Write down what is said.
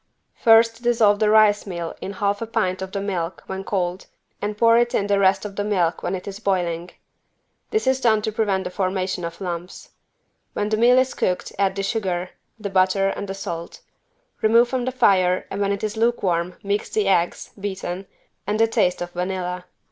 First dissolve the rice meal in half a pint of the milk when cold, and pour it in the rest of the milk when it is boiling. This is done to prevent the formation of lumps. When the meal is cooked add the sugar, the butter and the salt. Remove from the fire and when it is lukewarm mix the eggs (beaten) and the taste of vanilla.